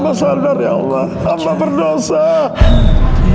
bagi apa yang mendapat disalami